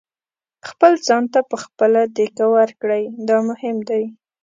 خپل ځان ته په خپله دېکه ورکړئ دا مهم دی.